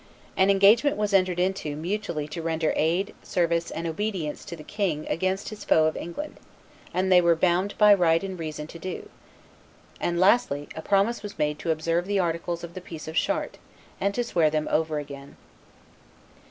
An engagement was entered into mutually to render aid, service, and obedience to the king against his foe of England, as they were bound by right and reason to do; and lastly a promise was made to observe the articles of the peace of Chartres, and to swear them over again.